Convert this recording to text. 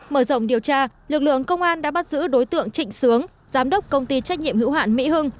mở rộng điều tra lực lượng công an đã bắt giữ đối tượng trịnh sướng giám đốc công ty trách nhiệm hữu hạn mỹ hưng